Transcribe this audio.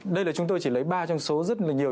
đây là chúng tôi chỉ lấy ba trong số rất là nhiều